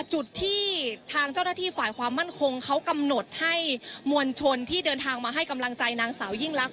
จุดที่ทางเจ้าหน้าที่ฝ่ายความมั่นคงเขากำหนดให้มวลชนที่เดินทางมาให้กำลังใจนางสาวยิ่งลักษ